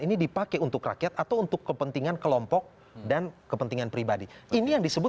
ini dipakai untuk rakyat atau untuk kepentingan kelompok dan kepentingan pribadi ini yang disebut